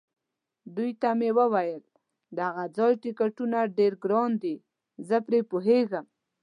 دوی ته مې وویل: د هغه ځای ټکټونه ډېر ګران دي، زه پرې پوهېږم.